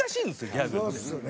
ギャグって。